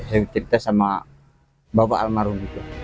saya cerita sama bapak almarhum